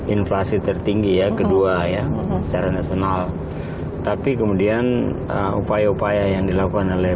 inflasi tertinggi ya kedua ya secara nasional tapi kemudian upaya upaya yang dilakukan oleh